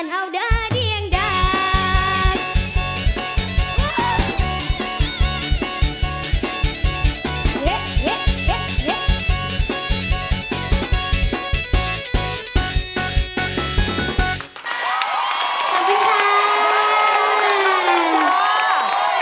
มีโปรดติดตามตอนต่อไป